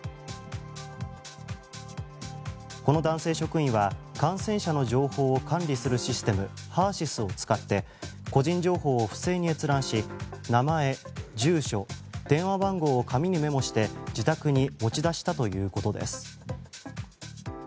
この男性職員は感染者の情報を管理するシステムＨＥＲ‐ＳＹＳを使って個人情報を不正に閲覧し名前・住所・電話番号を紙にメモして、自宅に持ち出したということです。